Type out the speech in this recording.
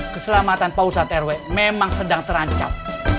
keselamatan pak ustadz rw memang sedang terancam